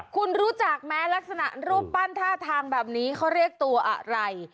คุณรู้จักไหมลักษณะรูปปั้นท่าทางแบบนี้เขาเรียกตัวอะไร